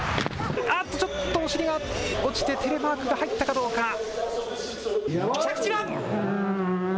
あっとちょっと、お尻が、落ちてテレマークが入ったかどうか。